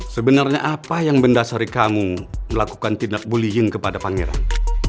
sebenarnya apa yang mendasari kamu melakukan tindak bullying kepada pangeran